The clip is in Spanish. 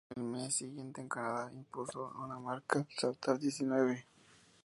El mes siguiente, en Canadá, impuso una marca al saltar diecinueve.